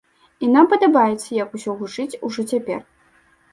І нам падабаецца, як усё гучыць ужо цяпер.